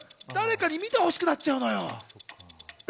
誰かに見てほしくなっちゃうのよ。